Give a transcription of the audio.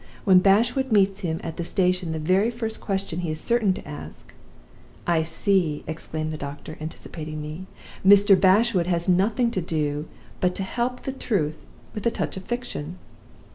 When Bashwood meets him at the station, the very first question he is certain to ask ' "'I see!' exclaimed the doctor, anticipating me. 'Mr. Bashwood has nothing to do but to help the truth with a touch of fiction.